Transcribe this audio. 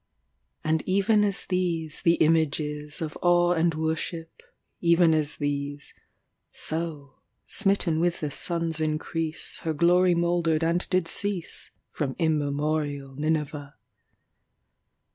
And even as these, the imagesOf awe and worship,—even as these,—So, smitten with the sun's increase, Her glory mouldered and did ceaseFrom immemorial Nineveh.